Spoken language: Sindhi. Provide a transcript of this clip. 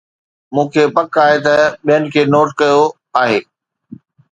مون کي پڪ آهي ته ٻين کي نوٽ ڪيو آهي